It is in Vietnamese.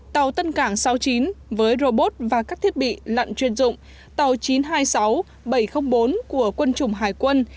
tàu tân cảng sáu mươi chín với robot và các thiết bị lặn chuyên dụng tàu chín trăm hai mươi sáu bảy trăm linh bốn của quân chủng hải quân